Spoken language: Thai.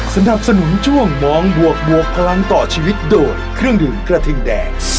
สนับสนุนช่วงมองบวกบวกพลังต่อชีวิตโดยเครื่องดื่มกระทิงแดง